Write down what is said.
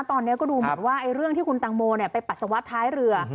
ตอนนี้ก็ดูเหมือนว่าเรื่องที่คุณตังโมไปปัสสาวะท้ายเรือ